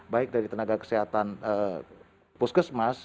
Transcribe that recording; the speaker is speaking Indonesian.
baik dari tenaga kesehatan puskesmas